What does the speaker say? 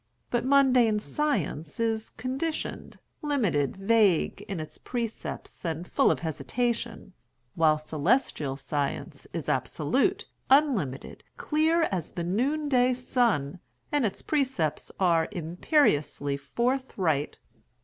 But mundane science is conditioned, limited, vague, its precepts are full of hesitation; while celestial science is absolute, unlimited, clear as the noonday sun, and its precepts are imperiously forthright.